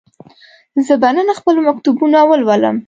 زه به نن خپل مکتوبونه ولولم.